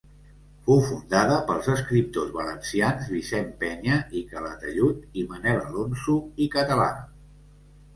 Fou fundada pels escriptors valencians Vicent Penya i Calatayud i Manel Alonso i Català.